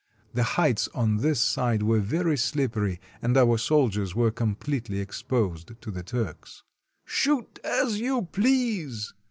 The heights on this side were very shppery, and our soldiers were completely exposed to the Turks. "Shoot as you please!"